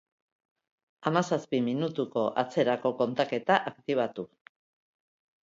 Hamazazpi minutuko atzerako kontaketa aktibatu.